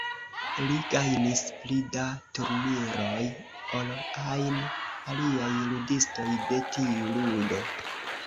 Li gajnis pli da turniroj ol ajn aliaj ludistoj de tiu ludo.